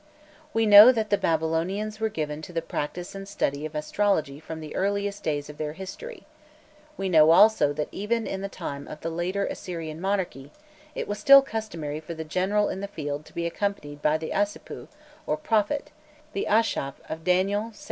We know that the Babylonians were given to the practice and study of astrology from the earliest days of their history; we know also that even in the time of the later Assyrian monarchy it was still customary for the general in the field to be accompanied by the asipu, or "prophet," the ashshâph of Dan. ii.